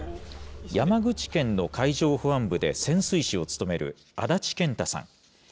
山口県の海上保安部で潜水士を務める安達健太さん。